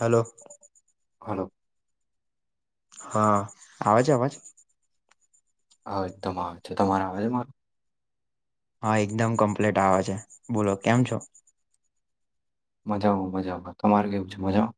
Hello hello હા આવાજે અવાજ હ એકદમ આવે છે તમારા અવાજમાંરો હા એકદમ કમ્પ્લીટ આવે છે બોલો કેમ છો મજા આવ મજા તમારે કેવું છે મજા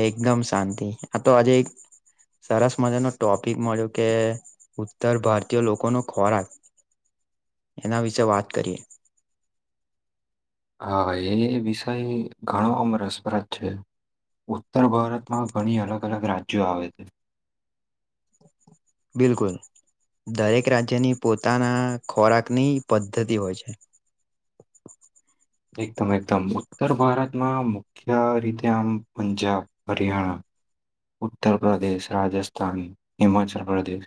એકદમ શાંતિ આ તો આજે એક સરસ મજાનો ટોપિક મળ્યો કે ઉત્તર ભારતીય લોકો ન ખોરાક એના વિશેે વાત કરીએ હા એ વિષય ઘણો અમરસપ્રદ છે ઉત્તર ભારતમાં ઘણી અલગ અલગ રાજ્યો આવે છે બિલકુલ દરેક રાજ્યની પોતાના ખોરાકની પદ્ધતિ હોય છે [inaudible] એકદમ એકદમ ઉત્તર ભારતમાં મુખ્ય રીતે આમ પંજાબ હરિયાણા ઉત્તર પ્રદેશ રાજસ્થાન હિમાચલ પ્રદેશ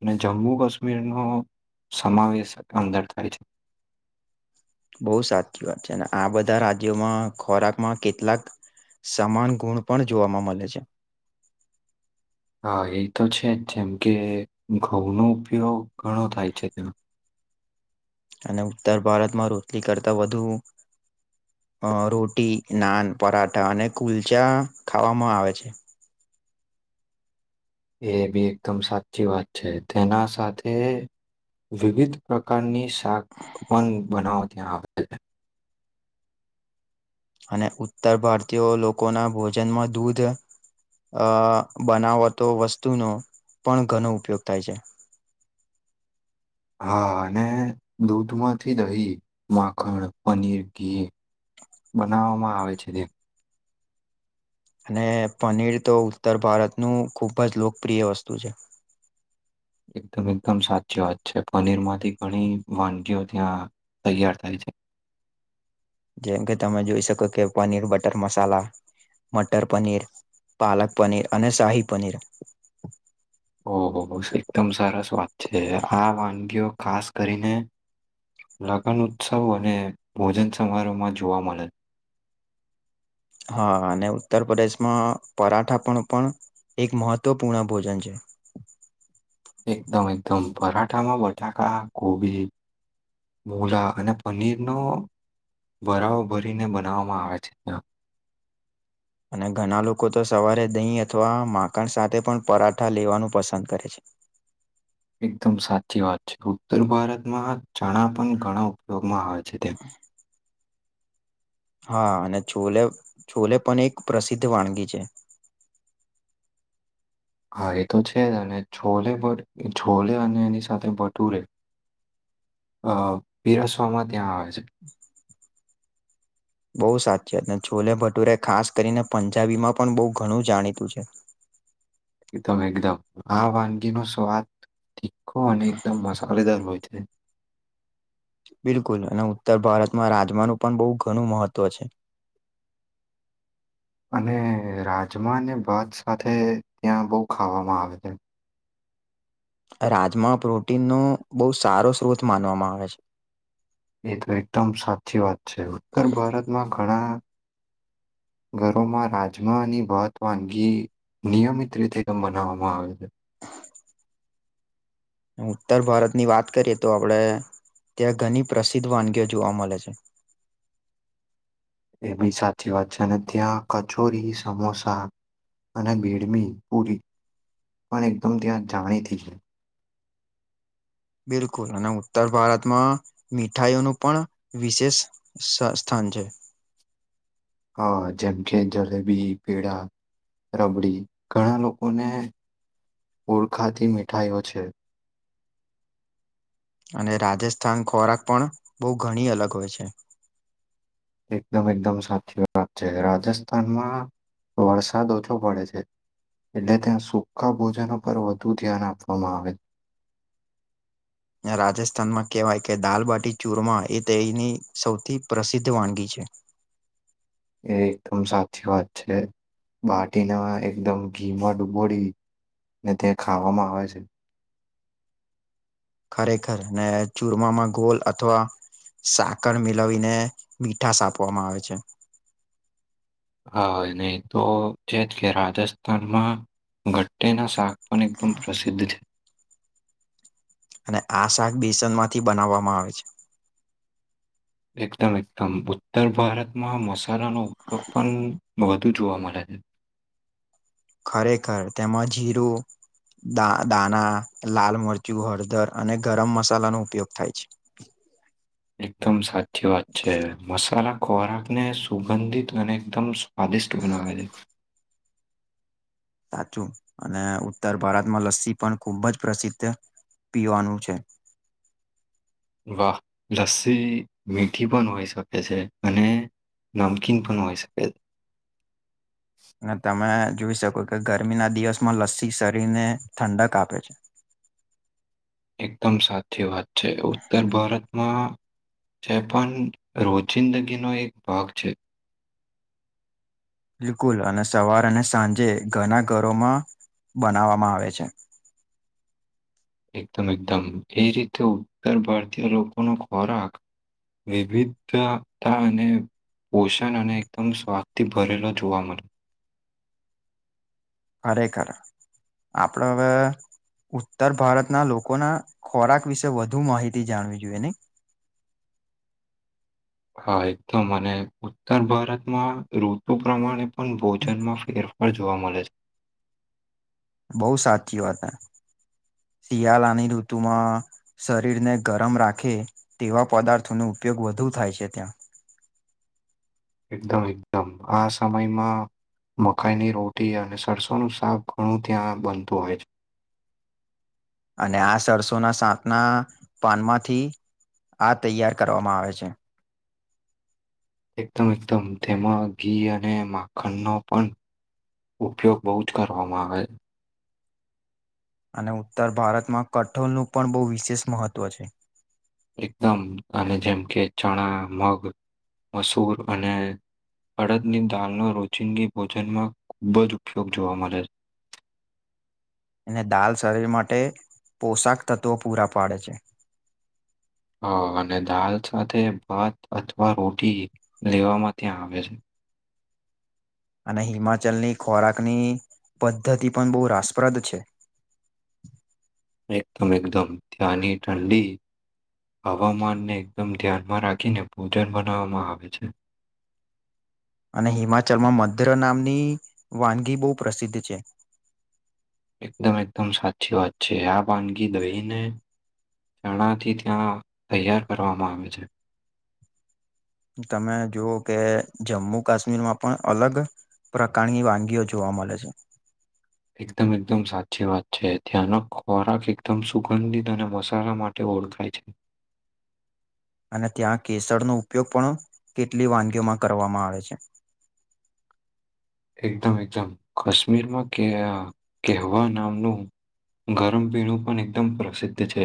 અને જમ્મુ કાશ્મીરનોો સમાવેશ અંદર થાય છે બહુ સાચી વાત છે અને આ બધા રાજ્યોમાં ખોરાકમાં કેટલાક સમાન ગુણ પણ જોવામાં મળે છે હા એ તો છે જ જેમ કે ઘઉંનો ઉપયોગ ઘણો થાય છે ત્યાં અને ઉત્તર ભારતમાં રોટલી કરતાં વધુ અ રોટી નાન પરાઠા અને કુલચા ખાવામાં આવે છે. [inaudible] એ બી એકદમ સાચી વાત છે તેના સાથે વિવિધ પ્રકારની શાક પણ બનાવો ત્યાં આવે છે. અને ઉત્તર ભારતીયો લોકોના ભોજનમાં દૂધ અ બનાવતો વસ્તુનો પણ ઘણો ઉપયોગ થાય છે. [inaudible] હા અને દૂધમાંથી દહી માખણ પનીર ઘી બનાવવામાં આવે છે તે અને પનીર તો ઉત્તર ભારતનું ખૂબ જ લોકપ્રિય વસ્તુ છે. એકદમ એકદમ સાચી વાત છે. પનીરમાંથી ઘણી વાનગીઓ ત્યાં તૈયાર થાય છે. જેમ કે તમે જોઈ શકો કે પનીર બટર મસાલા મટર પનીર પાલક પનીર અને શાહી પનીર ઓહોહો એકદમ સરસ વાત છે આ વાનગીઓ ખાસ કરીને લગન ઉત્સવ અને ભોજન સમારોહમાં જોવા મલે હા અને ઉત્તર પ્રદેશમાં પરાઠા પણ પણ એક મહત્વપૂર્ણ ભોજન છે. ટાકા કોબી મૂલા અને પનીર નો વરાઓ ભરીને બનાવવામાં આવે છે. અને ઘણા લોકો તો સવારે દહીં અથવા માકણ સાથે પણ પરાઠા લેવાનું પસંદ કરે છે. હ એકદમ સાચી વાત છે ઉત્તર ભારતમાં ચણા પણ ઘણા ઉપયોગમાં આવે છે તે હા અને છોલે છોલે પણ એક પ્રસિદ્ધ વાનગી છે. હા એ તો છે અને છોલે ભ છોલે અને એની સાથે ભટુરે અ પીરસવામાં ત્યાં આવે છે. [inaudible] બહુ સાચી ને છોલે ભટુરે ખાસ કરીને પંજાબી માં પણ બઉ ઘણું જાણીતું છે. [inaudible] એકદમ એકદમ આ વાનગી નો સ્વાદ તીખો અને એકદમ મશાલદાર હોય છે. બિલકુલ અને ઉત્તર ભારતમાં રાજમાનું પણ બઉ ઘણું મહત્વ છે. [inaudible] અને રાજમા ને ભાત સાથે ત્યાં બઉ ખાવામાં આવે છે. રાજમા પ્રોટીનનો બઉ સારો સ્ત્રોત માનવામાં આવે છે. એ તો એકદમ સાચી વાત છે ઉત્તર ભારતમાં ઘણા [inaudible] ઘરોમાં રાજમાની ભાત વાનગી નિયમિત રીતે બનાવવામાં આવે છે. ઉત્તર ભારતની વાત કરીએ તો આપડે ત્યાં ઘણી પ્રસિદ્ધ વાનગીઓ જોવા મળે છે. એ બી સાચી વાત છે ને ત્યાં કચોરી સમોસા અને બીડમી પુરી પણ એકદમ ત્યાં જાણીતી બિલકુલ અને ઉત્તર ભારતમાં મીઠાઈઓનું પણ વિશેષ સ્થા અંજ હા જેમ કે જલેબી પેડા રબડી ઘણા લોકોને ઓળખાતી મીઠાઈઓ છે. અને રાજસ્થાન ખોરાક પણ બઉ ઘણી અલગ હોય છે. એકદમ એકદમ સાચી વાત છે, રાજસ્થાનમાં વરસાદ ઓછો પડે છે. એટલે ત્યાં સૂકા ભોજનો પર વધુ ધ્યાન આપવામાં આવે. [inaudible] ને રાજસ્થાનમાં કેવાય કે દાલબાટી ચૂરમા એ તેયની સૌથી પ્રસિદ્ધ વાનગી છે. [inaudible] એ એકદમ સાચી વાત છે. બાટીના એકદમ ઘી. ખરેખર ને ચૂરમામાં ગોલ અથવા સાકર મિલાવીને. હા અને તો છે, એટલે રાજસ્થાનમાં ઘટે ના શા અન એકદમ પ્રસિદ્ધિ છે. અને આ શાક બેસનમાંથી બનાવામાં આવે છે. એકદમ એકદમ ઉત્તર ભારતમાં મસાલાનો ઉપયોગ પણ. છે. ખરેખર તેમાં જીરું. દા દાણા, લાલ, મરચું, હળદર અને ગરમ મસાલાનો ઉપયોગ થાય છે. એકદમ સા ખોરાકને સુગંધિત અને એકદમ સ્વાદિષ્ટ બનાવે સાચું અને ઉત્તર ભારતમાં લસ્સી પણ ખુબ જ પ્રસિદ્ધ. પીવાનું છે. વાહ લસ્સી મીઠી પણ હોઈ શકે છે, અને નમકીન પણ હોઈ શકે. [inaudible] અને તમે જોઈ શકો કે ગરમીના દિવસમાં લસ્સી શરીરને ઠંડક આપે છે. [inaudible] એકદમ સાચી વાત છે. ઉત્તર ભારતમાં. જે પન. બિલકુલ અને સવાર અને સાંજે ઘના ઘરોમાં. બનાવામાં આવે છે. એકદમ એકદમ. વિવિધતા અને. પોષણ અને. ખરેખર આપડે હવે. ઉત્તર ભારતના લોકોના ખોરાક વિશે વધુ માહિતી જાણવી જોઈએ નહીં? [inaudible] હા એકદમ અને ઉત્તર ભારતમાં ઋતુ પ્રમાણે પણ ભોજનમાં ફેર ફાર જોવા મલે છે. બહુ સાચી વાત હે. શિયાળાની ઋતુમાં શરીરને ગરમ રાખે તેવા પદાર્થોનું. ઉપયોગ વધુ થાય છે, ત્યાં. એકદમ એકદમ આ સમયમાં. મકાઈની રોટી અને સરસોનું શાક ઘણું ત્યાં બનતું હોય છે. અને આ સરસોના શાકના પાનમાંથી. આ તૈયાર કરવામાં આવે છે. એકદમ એકદમ [unintelligible] ઉપયોગ બહુ જ કરવામાં આવે છે. અને ઉત્તર ભારતમાં કઠોળનું પણ બહુ વિશેષ મહત્ત્વ છે. એકદમ અને જેમ કે ચણા, મગ, મસૂર અને અડદની દાલનો રોજિંદી ભોજનમાં ખૂબ જ ઉપયોગ જોવા મલે છે. [inaudible] અને દાલ શરીર માટે પોશાક તત્ત્વો પૂરા પાડે છે. હા હા અને દાલ સાથે ભાત અથવા રોટી લેવામાં ત્યાં આવે છે. અને હિમાચલની ખોરાકની પદ્ધતિ પણ બહુ રાસપ્રદ છે. [inaudible] એકદમ એકદમ ત્યાંની ઠંડી હવામાનને એકદમ ધ્યાનમાં રાખીને ભોજન બનાવવામાં આવે છે. [inaudible] અને હિમાચલમાં મધ્ર નામની વાનગી બહુ પ્રસિદ્ધ છે. એકદમ એકદમ સાચી વાત છે. આ વાનગી દહીંને ચરણાથી ત્યાં તૈયાર કરવામાં આવે છે. તમે જોઓ કે જમ્મુ કાશ્મીર માં પણ અલગ પ્રકારની વાનગીઓ જોવા મલે છે. એકદમ એકદમ સાચી વાત છે. ત્યાંનો ખોરાક એકદમ સુગંધિત અને મસાલા માટે ઓળખાય છે. [inaudible] અને ત્યાં કેસરનો ઉપયોગ પણ કેટલી વાનગીઓમાં કરવામાં આવે છે. [inaudible] એકદમ કેહવા નામનું ગરમ પીણું પણ એકદમ પ્રસિદ્ધ છે.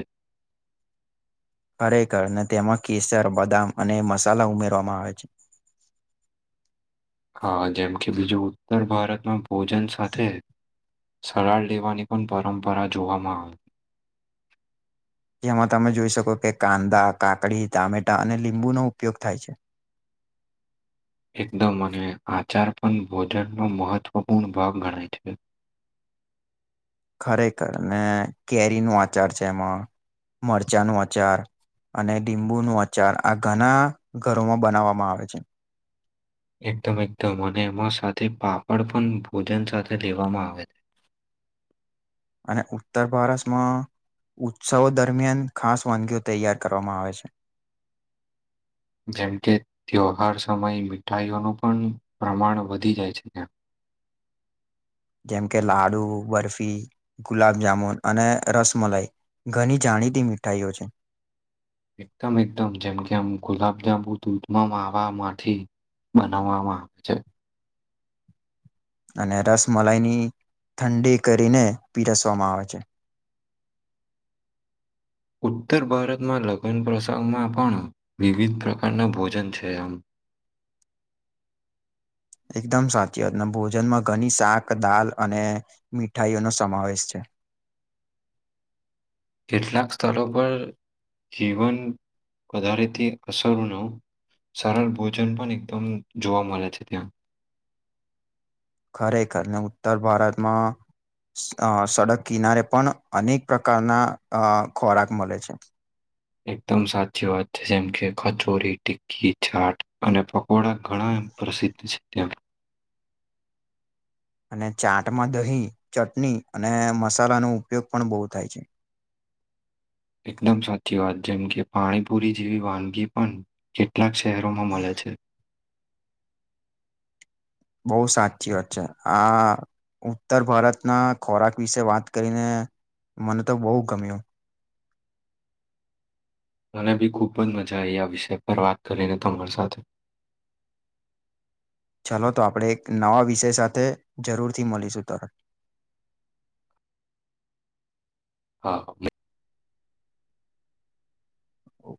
[inaudible] ખરેખર ને તેમાં કેસર, બદામ અને મસાલા ઉમેરવામાં આવે છે. [inaudible] હા જેમ કે બીજું ઉત્તર ભારતમાં ભોજન સાથે સરાળ લેવાની પણ પરંપરા જોવામાં આવી. જેમાં તમે જોઈ શકો કે કાંદા, કાકડી, ટામેટા અને લીંબુનો ઉપયોગ થાય છે. [inaudible] એકદમ અને આચાર પણ ભોજનનો મહત્વપૂર્ણ ભાગ ગણાય છે. ખરેખર ને કેરી નો આચાર છે એમાં મરચાંનું આચાર અને ડિંબુ નું અચાર આ ઘણા ઘરોમાં બનાવવામાં આવે છે. એકદમ એકદમ અને એમાં સાથે પાપડ પણ ભોજન સાથે લેવામાં આવે છે. અને ઉત્તર ભારતમાં ઉત્સવો દરમિયાન ખાસ વાનગીઓ તૈયાર કરવામાં આવે છે. જેમ કે ત્યોહાર સમયે મીઠાઈઓનું પણ પ્રમાણ વધી જાય છે ત્યાં. [inaudible] જેમ કે લાડુ, બરફી, ગુલાબજામુન અને રસમલાઈ. ઘણી જાણીતી મીઠાઈઓ છે. એકદમ એકદમ જેમ કે આમ ગુલાબજાંબુ દૂધમાં માવાવામાંથી. બનાવવામાં આવે છે. અને રસમલાઈની ઠંડી કરીને પીરસવામાં આવે છે. [unintelligible] ઉત્તર ભારતમાં લગ્ન પ્રસંગમાં પણ વિવિધ પ્રકારના ભોજન છે આમ. [unintelligible] એકદમ સાચી વાત ભોજનમાં ઘણી શાક દાલ અને મીઠાઈઓ નો સમાવેશ છે. [unintelligible] કેટલાક સ્થળો પર જીવન વધારેથી અસર ન સરળ ભોજન પણ એકદમ જોવા મળે છે ત્યાં. ખરેખરને ઉત્તર ભારતમાં અ સડક કિનારે પણ અનેક પ્રકારના અ ખોરાક મળે છે. એકદમ સાચી વાત છે. જેમ કે કચોરી, ટિકકી, છાટ અને પ કોડા ઘણા પ્રસિદ્ધ છે ત્યાં. અને ચાટમાં દહીં, ચટણી અને મસાલાનો ઉપયોગ પણ બહુ થાય છે. એકદમ સાચી વાત, જેમ કે પાણીપુરી જેવી વાનગી પણ કેટલાક શહેરોમાં મળે છે. છે. બહ સાચી વાત છે, આ ઉત્તર ભારતના ખોરાક, વિશે વાત કરીને મને તો બહુ ગમ્યું મને બી ખૂબ જ મજા આવી, આ વિષય પર વાત કરીને તમારી સાથે. [inaudible] ચાલ, તો આપણેે એક નવા વિષય સાથે જરૂર થી, મળીશું તરણ [inaudible] હા, હ ઓ